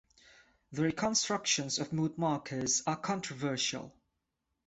The reconstructions of mood markers are controversial.